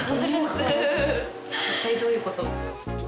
一体どういうこと？